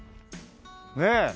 ねえ。